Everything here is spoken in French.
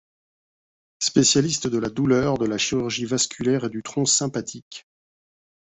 Spécialiste de la douleur, de la chirurgie vasculaire et du tronc sympathique.